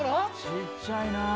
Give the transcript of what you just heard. ちっちゃいな。